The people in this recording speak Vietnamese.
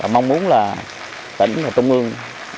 mong muốn là tỉnh và tông ương